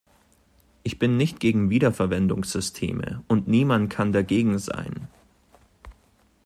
Ich bin nicht gegen Wiederverwendungssysteme, und niemand kann dagegen sein.